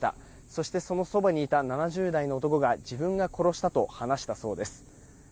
そして、そのそばにいた７０代の男が自分が殺したと話したそうです。